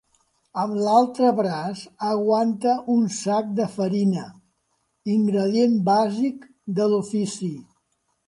Amb l’altre braç aguanta un sac de farina, ingredient bàsic de l’ofici.